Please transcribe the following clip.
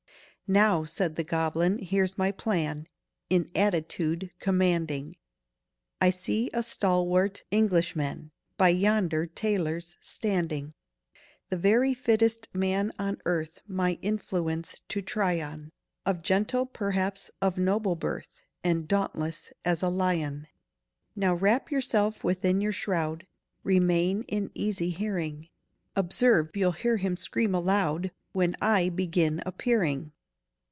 "Now," said the goblin, "here's my plan— In attitude commanding, I see a stalwart Englishman By yonder tailor's standing. "The very fittest man on earth My influence to try on— Of gentle, p'r'aps of noble birth, And dauntless as a lion! Now wrap yourself within your shroud— Remain in easy hearing— Observe—you'll hear him scream aloud When I begin appearing!"